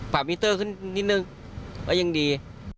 มิเตอร์ขึ้นนิดนึงก็ยังดี